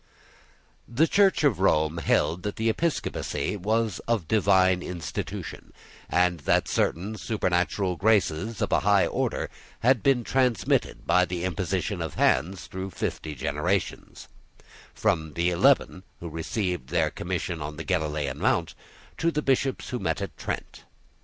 The Church of Rome held that episcopacy was of divine institution, and that certain supernatural graces of a high order had been transmitted by the imposition of hands through fifty generations, from the Eleven who received their commission on the Galilean mount, to the bishops who met at Trent.